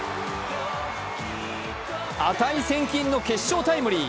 値千金の決勝タイムリー。